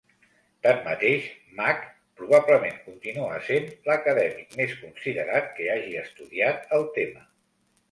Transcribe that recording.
Tanmateix, Mack probablement continua sent l'acadèmic més considerat que hagi estudiat el tema.